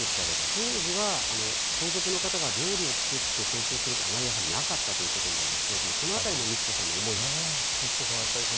当時は皇族の方が料理を作って提供するというのはあまりなかったんですがこのあたりも美智子さまの思いがありました。